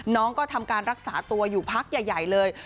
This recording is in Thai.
น้องก็ทำการรักษาตัวอยู่พักใหญ่เลย